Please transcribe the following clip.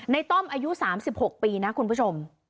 ต้อมอายุ๓๖ปีนะคุณผู้ชม